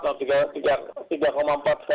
tiga tiga tiga tiga koma empat kali jadi